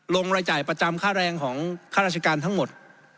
รายจ่ายประจำค่าแรงของข้าราชการทั้งหมด